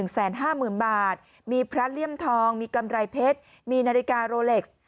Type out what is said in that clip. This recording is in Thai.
๑๕๐๐๐บาทมีพระเลี่ยมทองมีกำไรเพชรมีนาฬิกาโรเล็กซ์